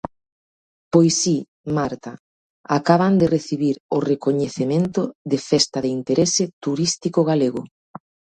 Pois si, Marta, acaban de recibir o recoñecemento de Festa de Interese Turístico Galego.